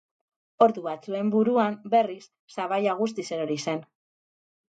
Ordu batzuen buruan, berriz, sabaia guztiz erori zen.